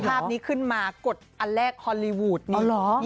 ภาพนี้ขึ้นมากดอันแรกฮอลลีวูดนี่